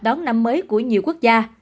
đón năm mới của nhiều quốc gia